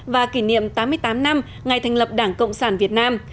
và kỷ niệm tám mươi tám năm ngày thành lập đảng cộng sản việt nam